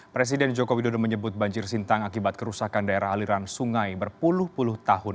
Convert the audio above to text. presiden joko widodo menyebut banjir sintang akibat kerusakan daerah aliran sungai berpuluh puluh tahun